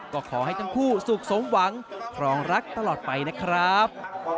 ก็ขอให้ทั้งคู่สุขสมหวังครองรักตลอดไปนะครับ